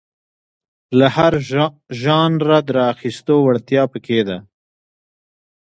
له هر ژانره د راخیستو وړتیا په کې ده.